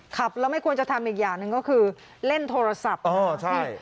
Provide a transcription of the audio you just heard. ขับแล้วไม่ควรจะทำอีกอย่างหนึ่งก็คือเล่นโทรศัพท์ใช่